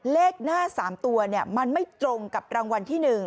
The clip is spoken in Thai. เลขหน้า๓ตัวเนี่ยมันไม่ตรงกับรางวัลที่หนึ่ง